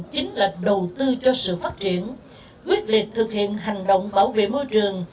chính là đầu tư cho sự phát triển quyết liệt thực hiện hành động bảo vệ môi trường